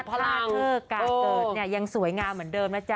เพราะว่าการเกิดเนี่ยยังสวยงามเหมือนเดิมนะจ๊